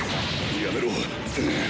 やめろ！